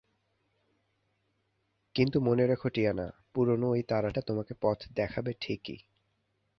কিন্তু মনে রেখো, টিয়ানা, পুরনো ওই তারাটা তোমাকে পথ দেখাবে ঠিকই।